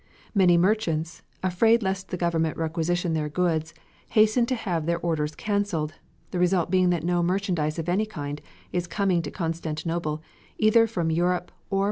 Many merchants, afraid lest the government requisition their goods, hasten to have their orders canceled, the result being that no merchandise of any kind is coming to Constantinople either from Europe or from Anatolia.